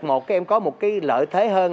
các em có một lợi thế hơn